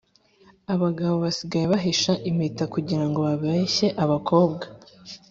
Abagabo basigaye bahisha impeta kugirango babeshye abakobwa